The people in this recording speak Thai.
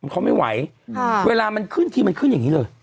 เขาไม่ไหวเวลามันขึ้นทีมันขึ้นอย่างนี้เลย